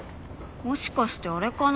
もしかしてあれかな。